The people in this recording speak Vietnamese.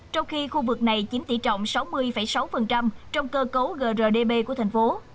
trong khi khu vực này chiếm tỷ trọng sáu mươi sáu trong cơ cấu grdp của thành phố